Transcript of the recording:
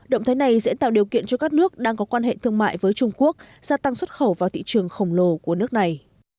động thái này sẽ tạo điều kiện cho các nước đang có quan hệ thương mại với trung quốc gia tăng xuất khẩu vào thị trường khổng lồ của nước này